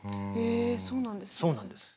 えそうなんですか。